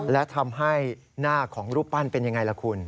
และทำให้หน้าของรูปปั้นเป็นอย่างไรล่ะคุณ